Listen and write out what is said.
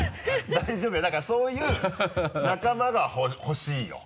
大丈夫よだからそういう仲間がほしいよ。